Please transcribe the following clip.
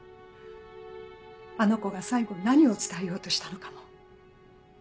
あの子が最後何を伝えようとしたのかも。